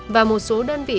và một số đơn vị